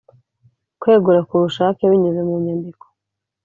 Kwegura ku bushake binyuze mu nyandiko